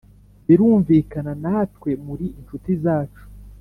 birumvikana natwe muri inshuti zacu